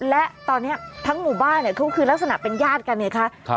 และตอนนี้ทั้งหมู่บ้านเขาคือลักษณะเป็นญาติกันไงคะ